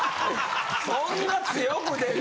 そんな強く出て。